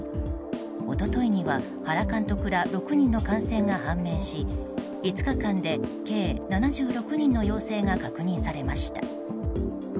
一昨日には原監督ら６人の感染が判明し５日間で計７６人の陽性が確認されました。